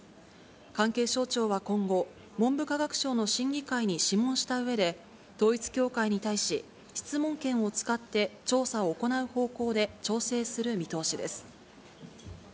関係省庁は今後、文部科学省の審議会に諮問したうえで、統一教会に対し、質問権を使って、調査を行う方向で調整する見通しです。